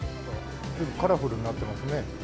カラフルになってますね。